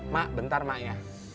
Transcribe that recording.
ma bentar ma ya